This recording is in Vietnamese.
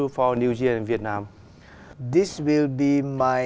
vì vậy tôi thấy